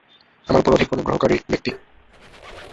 আমার উপর অধিক অনুগ্রহকারী ব্যক্তি।